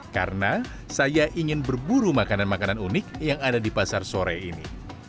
karena saya ingin berburu makanan makanan unik yang ada di pasar sore ini